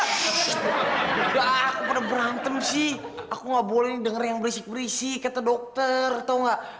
shhh udah aku pada berantem sih aku gak boleh denger yang berisik berisik kata dokter tau gak